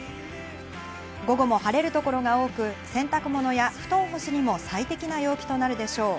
午後も晴れる所が多く、洗濯物や布団干しにも最適な陽気となるでしょう。